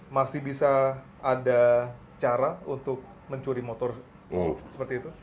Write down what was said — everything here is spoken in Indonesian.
masih bisa ada cara untuk mencuri motor seperti itu